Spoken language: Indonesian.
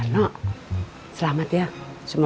lateni aku berangkat ngobrol